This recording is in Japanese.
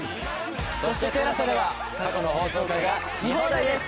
そしてＴＥＬＡＳＡでは過去の放送回が見放題です。